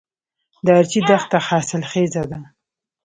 د ارچي دښته حاصلخیزه ده